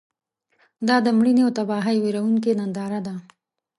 دا د مړینې او تباهۍ ویرونکې ننداره ده.